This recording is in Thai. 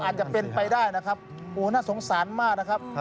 อาจจะเป็นไปได้นะครับโอ้น่าสงสารมากนะครับ